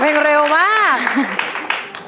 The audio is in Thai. เพลงเร็วมาก